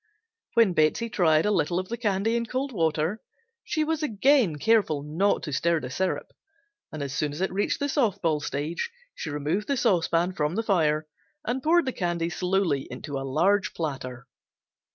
When Betsey tried a little of the candy in cold water she was again careful not to stir the syrup, and as soon as it reached the soft ball stage she removed the saucepan from the fire and poured the candy slowly into a large platter.